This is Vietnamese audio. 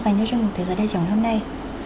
dành cho chương trình thế giới đại trưởng hôm nay